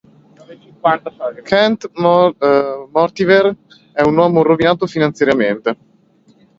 Kent Mortimer è un uomo rovinato finanziariamente.